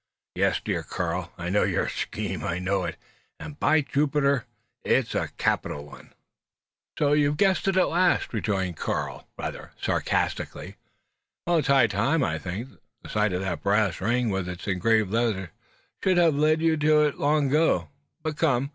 "Yes, dear Karl, I know your scheme I know it; and by Jupiter Olympus, it's a capital one!" "So you have guessed it at last," rejoined Karl, rather sarcastically. "Well, it is high time, I think! The sight of that brass ring, with its engraved letters, should have led you to it long ago. But come!